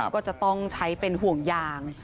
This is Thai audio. ก็จะต้องใช้เป็นห่วงยาง